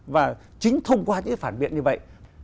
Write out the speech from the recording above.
và chính thông qua những phản biện như vậy